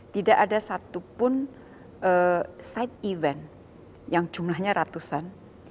tidak ada satupun side event yang jumlahnya ratusan